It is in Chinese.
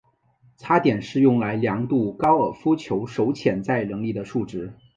差点是用来量度高尔夫球手潜在能力的数值。